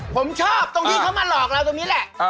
ผมชอบตรงที่เขามาหลอกเราตรงนี้แหละ